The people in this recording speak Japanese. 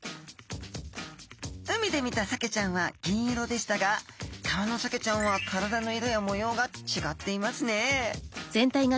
海で見たサケちゃんは銀色でしたが川のサケちゃんは体の色や模様がちがっていますねえ。